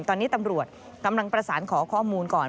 ตอนนี้ตำรวจกำลังประสานขอข้อมูลก่อน